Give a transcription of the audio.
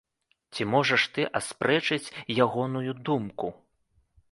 Ці можаш ты аспрэчыць ягоную думку?